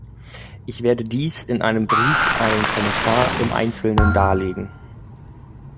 Ich werde dies in einem Brief an den Kommissar im Einzelnen darlegen.